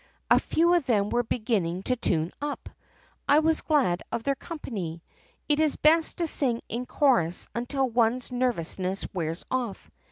A few of them were beginning to tune up. I was glad of their company. It is best to sing in chorus until one's nervousness wears off.